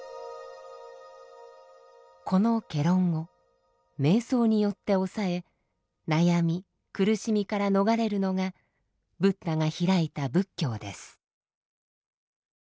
この戯論を瞑想によって抑え悩み苦しみから逃れるのがブッダが開いた仏教です。